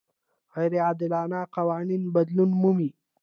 غیر عادلانه قوانین بدلون مومي.